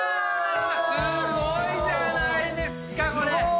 すごいじゃないですかこれ。